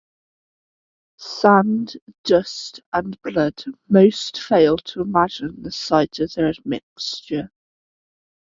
Sand, dust, and blood. Most fail to imagine the sight of their admixture.